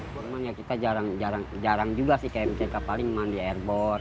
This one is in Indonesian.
cuman ya kita jarang juga sih ke mck paling mandi air bor